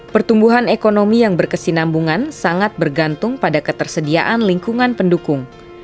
pertumbuhan ekonomi yang berkesinambungan sangat bergantung pada ketersediaan lingkungan pendukung